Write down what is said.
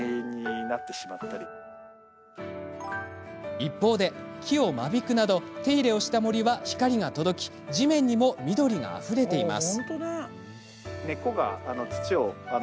一方で木を間引くなど手入れをした森は光が届き地面にも緑があふれています。